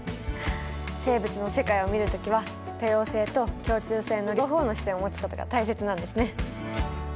生物の世界を見る時は多様性と共通性の両方の視点をもつことが大切なんですね。